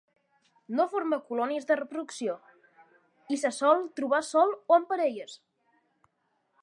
No forma colònies de reproducció, i se sol trobar sol o en parelles.